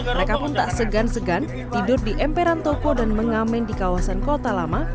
mereka pun tak segan segan tidur di emperan toko dan mengamen di kawasan kota lama